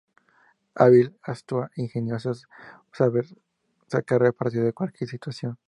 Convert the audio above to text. Hábil, astuta e ingeniosa, sabe sacar partido de cualquier situación.